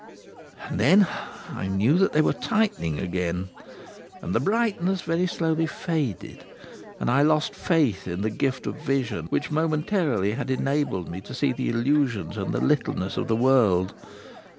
And then, I knew that they were tightening again, and the brightness very slowly faded, and I lost faith in the gift of vision which momentarily had enabled me to see the illusions and the littleness of the world.